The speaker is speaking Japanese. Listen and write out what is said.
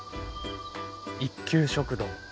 「一休食堂」。